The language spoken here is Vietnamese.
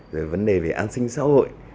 rồi vấn đề về an sinh xã hội